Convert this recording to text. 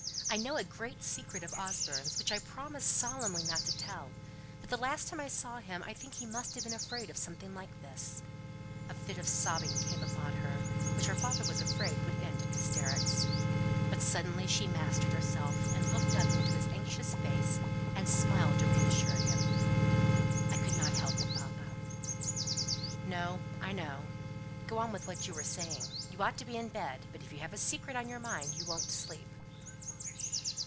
I know a great secret of Osborne's, which I promised solemnly not to tell; but the last time I saw him I think he must have been afraid of something like this." A fit of sobbing came upon her, which her father was afraid would end in hysterics. But suddenly she mastered herself, and looked up into his anxious face, and smiled to reassure him. "I could not help it, papa!" "No. I know. Go on with what you were saying. You ought to be in bed; but if you've a secret on your mind you won't sleep."